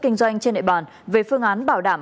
kinh doanh trên địa bàn về phương án bảo đảm